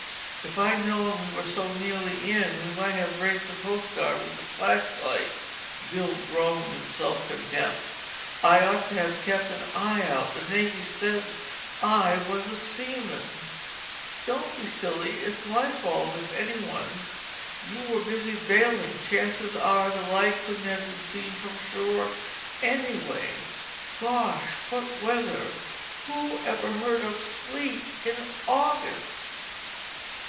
"If I'd known we were so nearly in, we might have raised the coast guard with the flash light." Bill groaned his self contempt. "I ought to have kept an eye out—and the Navy said I was a seaman!" "Don't be silly! It was my fault, if anyone's. You were busy bailing. Chances are the light couldn't have been seen from shore, anyway. Gosh, what weather! Who ever heard of sleet in August!"